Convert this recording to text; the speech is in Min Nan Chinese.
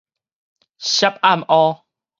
屧暗烏